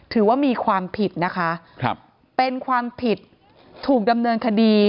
ถือว่ามีความผิดนะคะครับเป็นความผิดถูกดำเนินคดี